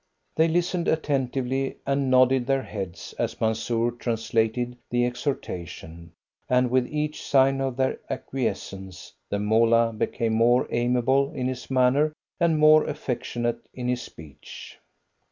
They listened attentively and nodded their heads as Mansoor translated the exhortation, and with each sign of their acquiescence the Moolah became more amiable in his manner and more affectionate in his speech.